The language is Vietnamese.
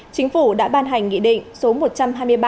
chính phủ đã ban hành nghị định số một trăm hai mươi ba